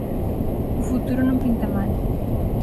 O futuro non pinta mal.